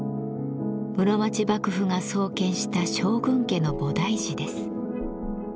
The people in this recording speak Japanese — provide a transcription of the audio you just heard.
室町幕府が創建した将軍家の菩提寺です。